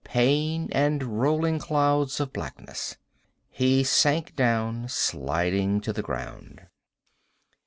Pain and rolling clouds of blackness. He sank down, sliding to the ground.